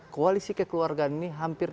koalisi kekeluargaan ini hampir